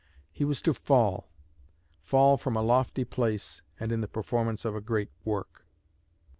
He was to fall, fall from a lofty place and in the performance of a great work."